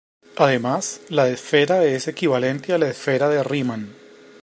Además, la esfera es equivalente a la esfera de Riemann.